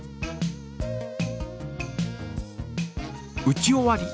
打ち終わり。